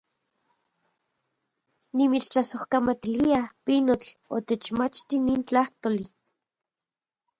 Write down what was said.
¡Nimitstlasojkamatilia, pinotl, otechmachti nin tlajtoli!